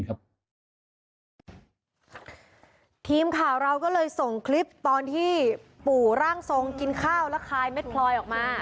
ทีมข่าวเราก็เลยส่งคลิปตอนที่ปู่ร่างทรงกินข้าวแล้วคายเม็ดพลอยออกมา